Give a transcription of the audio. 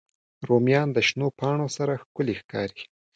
رومیان د شنو پاڼو سره ښکلي ښکاري